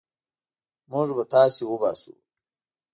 موږ به تاسي وباسو.